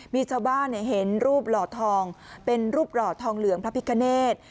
มีชาวบ้านเห็นรูปหล่อทองเป็นรูปหล่อทองเหลืองพระพิคเนธ